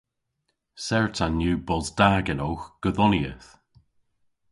Certan yw bos da genowgh godhonieth.